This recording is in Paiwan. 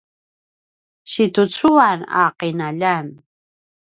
situcuan a qinaljan